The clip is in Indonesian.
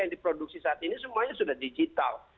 yang diproduksi saat ini semuanya sudah digital